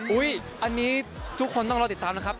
อันนี้ทุกคนต้องรอติดตามนะครับ